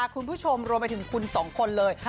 คุณผู้ชมรวมไปถึงคุณสองคนเลย